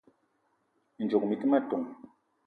Mi ndzouk mi te ma ton: